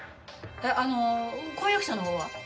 あの婚約者の方は？